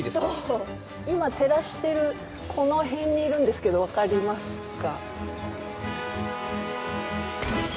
今照らしてるこの辺にいるんですけど分かりますか？